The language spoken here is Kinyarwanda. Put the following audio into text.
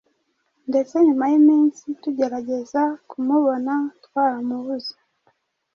ndetse nyuma y'iminsi tugerageza kumubona twaramubuze